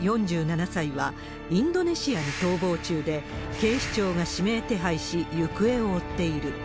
４７歳は、インドネシアに逃亡中で、警視庁が指名手配し、行方を追っている。